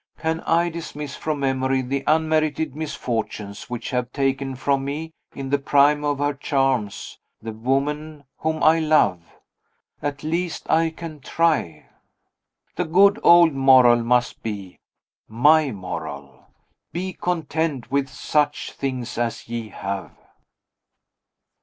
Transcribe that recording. Can I dismiss from memory the unmerited misfortunes which have taken from me, in the prime of her charms, the woman whom I love? At least I can try. The good old moral must be my moral: "Be content with such things as ye have."